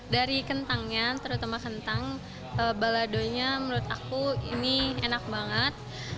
dari kentangnya terutama kentang baladonya menurut aku ini enak banget